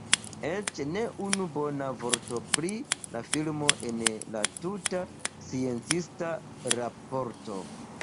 Eĉ ne unu bona vorto pri la filmo en la tuta sciencista raporto.